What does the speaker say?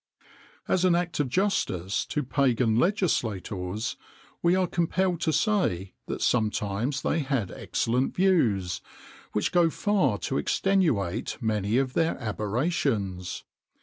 As an act of justice to Pagan legislators, we are compelled to say that sometimes they had excellent views, which go far to extenuate many of their aberrations.